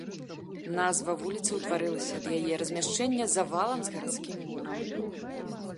Назва вуліца ўтварылася ад яе размяшчэнне за валам з гарадскім мурам.